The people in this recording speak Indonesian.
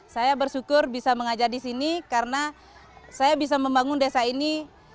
saya bersyukur bisa mengajar di sini karena saya bisa membangun desa ini